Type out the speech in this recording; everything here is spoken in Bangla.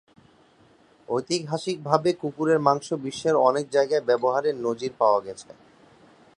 ঐতিহাসিকভাবে, কুকুরের মাংস বিশ্বের অনেক জায়গায় ব্যবহারের নজির পাওয়া গেছে।